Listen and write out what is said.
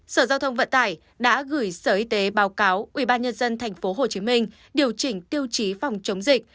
sở giao thông vận tải đã gửi sở y tế báo cáo ubnd tp hcm điều chỉnh tiêu chí phòng chống dịch